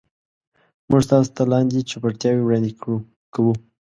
موږ تاسو ته لاندې چوپړتیاوې وړاندې کوو.